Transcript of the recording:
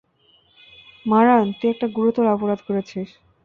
মারান, তুই একটা গুরুতর অপরাধ করেছিস।